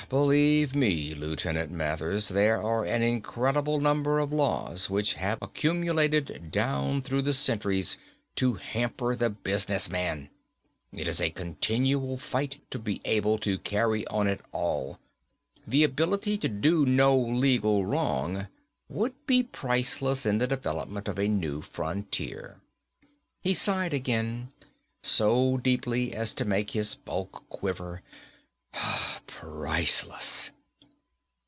"Believe me, Lieutenant Mathers, there are an incredible number of laws which have accumulated down through the centuries to hamper the business man. It is a continual fight to be able to carry on at all. The ability to do no legal wrong would be priceless in the development of a new frontier." He sighed again, so deeply as to make his bulk quiver. "Priceless."